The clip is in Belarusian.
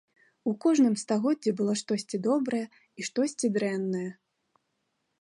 У кожным стагоддзі было штосьці добрае і штосьці дрэннае.